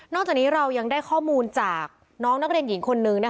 จากนี้เรายังได้ข้อมูลจากน้องนักเรียนหญิงคนนึง